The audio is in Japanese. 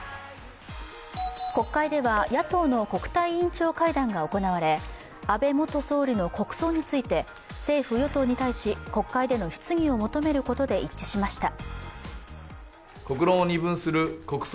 国会では野党の国対委員長会談が行われ、安倍元総理の国葬について、政府・与党に対し国会での質疑を求めることで一致しました。